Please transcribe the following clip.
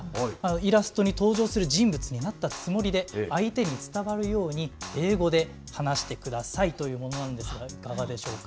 イラストに登場する人物になったつもりで、相手に伝わるように、英語で話してくださいというものなんですが、いかがでしょうか。